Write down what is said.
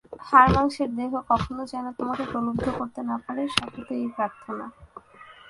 হাড়মাসের দেহ কখনও যেন তোমাকে প্রলুব্ধ করতে না পারে, সতত এই প্রার্থনা।